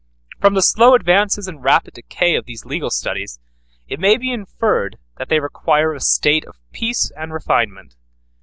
From the slow advances and rapid decay of these legal studies, it may be inferred, that they require a state of peace and refinement.